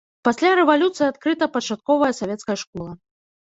Пасля рэвалюцыі адкрыта пачатковая савецкая школа.